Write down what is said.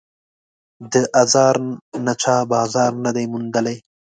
د آزار نه چا بازار نه دی موندلی